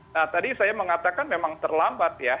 nah tadi saya mengatakan memang terlambat ya